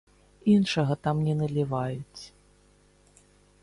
Іншага там не наліваюць.